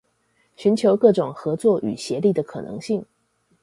尋求各種合作與協力的可能性